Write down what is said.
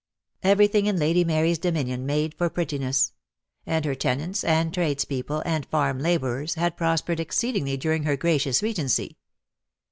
Everything in Lady Mary's dominion made for prettiness; and her tenants and trades people, and farm labourers, had prospered exceed ingly during her gracious Regency.